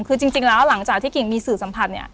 คือจริงแล้วหลังจากที่กิ่งมีสื่อสัมผัสเนี่ย